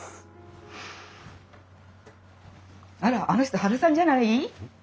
あらあの人ハルさんじゃない？